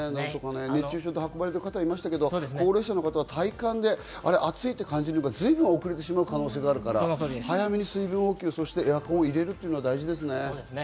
熱中症で運ばれた方いましたけど、高齢者の方は体感で暑いと感じるのが随分遅れる可能性があるから早めに水分補給、エアコンを入れるというのは大事ですね。